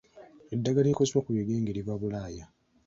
Eddagala erikozesebwa ku bigenge liva Bulaaya.